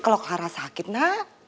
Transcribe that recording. kalau clara sakit na